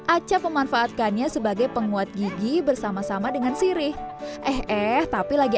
acap memanfaatkannya sebagai penguat gigi bersama sama dengan sirih eh eh tapi lagi